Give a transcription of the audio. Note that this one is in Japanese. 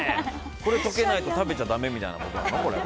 これ解けないと食べちゃだめみたいな？